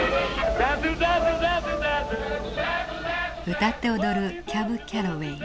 歌って踊るキャブ・キャロウェイ。